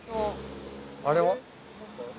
あれは？